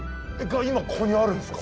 が今ここにあるんですか？